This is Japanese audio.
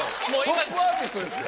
トップアーティストですよ！